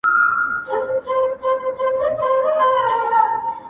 ورځه خپله مزدوري دي ترې جلا كه.!